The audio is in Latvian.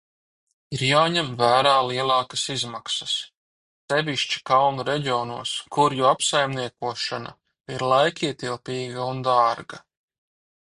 Ir jāņem vērā lielākas izmaksas, sevišķi kalnu reģionos, kuru apsaimniekošana ir laikietilpīga un dārga.